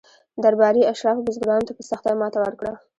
درباري اشرافو بزګرانو ته په سختۍ ماته ورکړه.